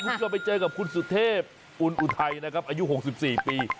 กลับไปเจอกับคุณสุเทพอุทัยนะครับอายุ๖๔ปี